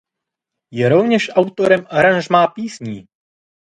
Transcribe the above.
Je rovněž autorem aranžmá písní.